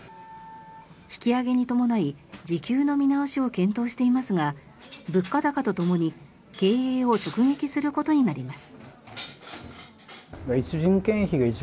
引き上げに伴い時給の見直しを検討していますが物価高とともに経営を直撃することになります。